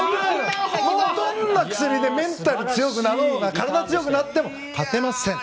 どんな薬でメンタルが強くなろうが体強くなっても勝てません。